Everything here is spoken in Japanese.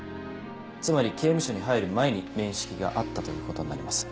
つまり刑務所に入る前に面識があったということになります。